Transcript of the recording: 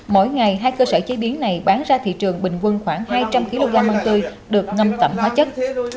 mỗi ngày hai cơ sở chế biến này bán ra thị trường bình quân khoảng hai trăm linh kg mưng tươi được ngâm tẩm hóa chất